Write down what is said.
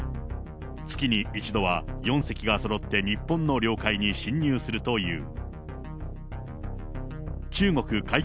月に１度は４隻がそろって日本の領海に侵入するという。